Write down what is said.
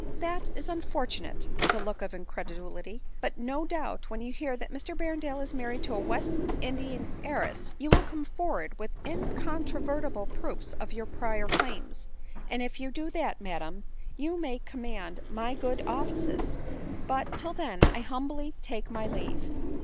" fhat is unfortunate !" (with a look of incredulity,) .*" but, no doubt, when you hear that Mr Berrendale is married to a West Indian heiress, you will come forward with incontrovertible proofs of your prior claims ; and if you do that, madam, you maycommand my good offices : —but, till then, I humbly take my leave."